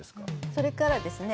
それからですね